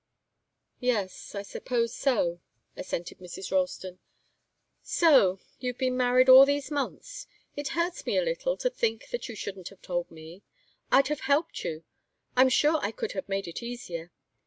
"Yes, I suppose so," assented Mrs. Ralston. "So you've been married all these months! It hurts me a little to think that you shouldn't have told me. I'd have helped you. I'm sure I could have made it easier.